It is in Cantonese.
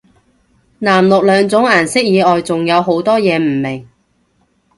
藍綠兩種顏色以外仲有好多嘢唔明